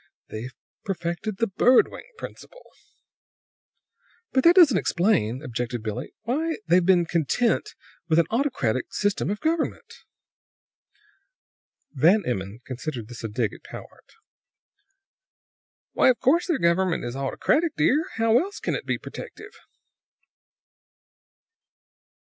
They've perfected the bird wing principle!" "But that doesn't explain," objected Billie, "why they've been content with an autocratic system of government." Van Emmon considered this a dig at Powart. "Why, of course their government is autocratic, dear! How else can it be protective?"